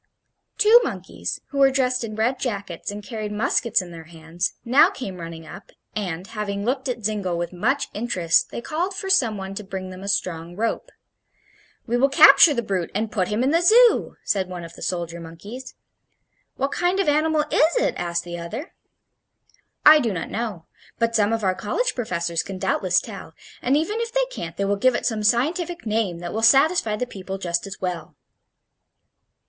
Two monkeys, who were dressed in red jackets and carried muskets in their hands, now came running up, and, having looked at Zingle with much interest, they called for some one to bring them a strong rope. "We will capture the brute and put him in the Zoo," said one of the soldier monkeys. "What kind of animal is it?" asked the other. "I do not know. But some of our college professors can doubtless tell, and even if they can't they will give it some scientific name that will satisfy the people just as well."